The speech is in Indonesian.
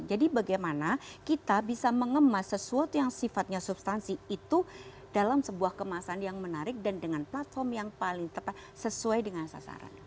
jadi bagaimana kita bisa mengemas sesuatu yang sifatnya substansi itu dalam sebuah kemasan yang menarik dan dengan platform yang paling tepat sesuai dengan sasaran